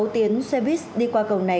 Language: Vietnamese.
một mươi sáu tiếng xe buýt đi qua cầu này